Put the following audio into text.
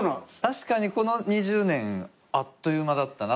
確かにこの２０年あっという間だったなって。